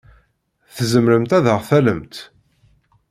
Tzemremt ad aɣ-tallemt?